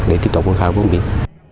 để tiếp tục vươn khai vương biển